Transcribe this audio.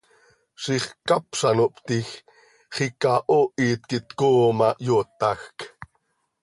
Ziix ccap z ano hptiij, xiica hoohit quih tcooo ma, hyootajc.